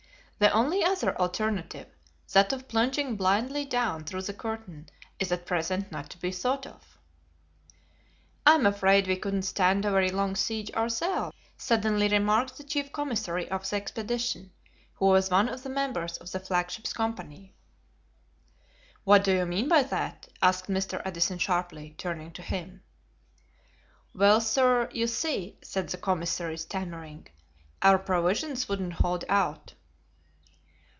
The only other alternative, that of plunging blindly down through the curtain, is at present not to be thought of." "I am afraid we couldn't stand a very long siege ourselves," suddenly remarked the chief commissary of the expedition, who was one of the members of the flagship's company. "What do you mean by that?" asked Mr. Edison sharply, turning to him. "Well, sir, you see," said the commissary, stammering, "our provisions wouldn't hold out."